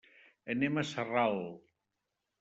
Anem a Sarral.